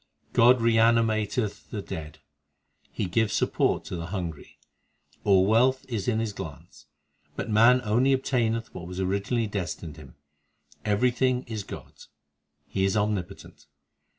7 God reanimateth the dead ; He giveth support to the hungry ; All wealth is in His glance ; But man only obtaineth what was originally destined him. Everything is God s ; He is Omnipotent.